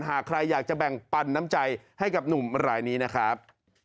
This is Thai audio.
หากใครอยากจะแบ่งปันน้ำใจให้กับหนุ่มรายนี้นะครับ